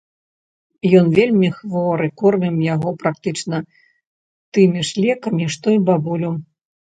Ён вельмі хворы, кормім яго практычна тымі ж лекамі, што і бабулю.